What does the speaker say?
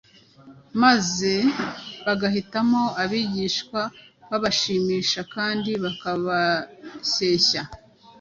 maze bagahitamo abigisha babashimisha kandi bakabashyeshya